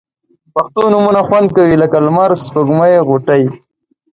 پښتو نومونه خوند کوي لکه لمر، سپوږمۍ، غوټۍ